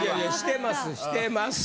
してます。